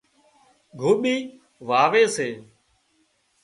گوٻي واوي سي